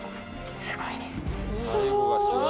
すごいですね。